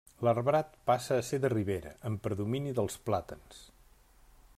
L'arbrat passa a ser de ribera, amb predomini dels plàtans.